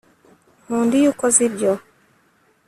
nkunda iyo ukoze ibyo